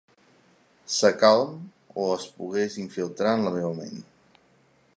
Sacalm, o es pogués infiltrar en la meva ment.